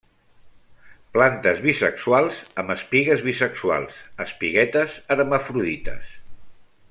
Plantes bisexuals, amb espigues bisexuals; espiguetes hermafrodites.